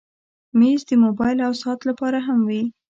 مېز د موبایل او ساعت لپاره هم وي.